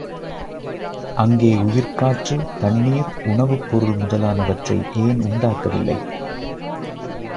அங்கே உயிர்க்காற்று, தண்ணீர், உணவுப் பொருள் முதலானவற்றை ஏன் உண்டாக்கவில்லை?